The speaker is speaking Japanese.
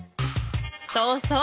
そうそう。